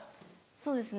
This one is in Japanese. そうですね。